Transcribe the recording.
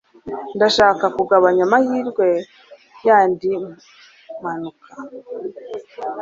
Ndashaka kugabanya amahirwe yandi mpanuka.